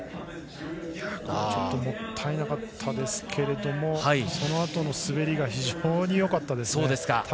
もったいなかったですけどそのあとの滑りが非常によかったですね。